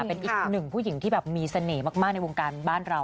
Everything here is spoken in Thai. เป็นอีกหนึ่งผู้หญิงที่แบบมีเสน่ห์มากในวงการบ้านเรา